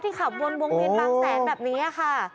ขับวนวงเวียนบางแสนแบบนี้ค่ะ